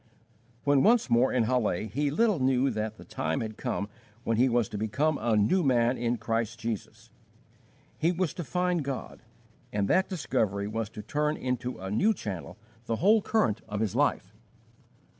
When once more in Halle, he little knew that the time had come when he was to become a new man in Christ Jesus. He was to find God, and that discovery was to turn into a new channel the whole current of his life.